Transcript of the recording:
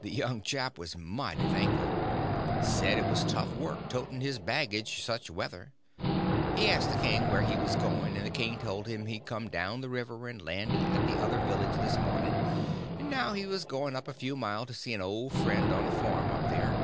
The young chap was mighty thankful; said it was tough work toting his baggage such weather. He asked the king where he was going, and the king told him he'd come down the river and landed at the other village this morning, and now he was going up a few mile to see an old friend on a farm up there.